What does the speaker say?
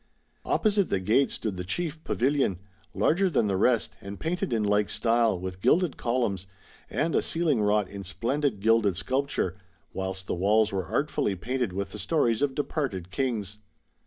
Opposite the gate stood the chief Pavilion, larger than the rest, and painted in like style, with gilded columns, and a ceiling wrought in splendid gilded sculpture, whilst the walls were artfully painted with the stories of departed kings.